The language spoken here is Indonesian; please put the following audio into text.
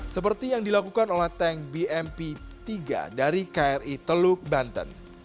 seperti yang dilakukan oleh tank bmp tiga dari kri teluk banten